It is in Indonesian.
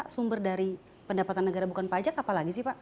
sumber dari pendapatan negara bukan pajak apa lagi sih pak